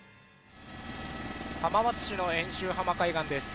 浜松市の遠州浜海岸です。